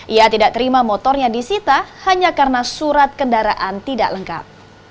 ia tidak terima motornya disita hanya karena surat kendaraan tidak lengkap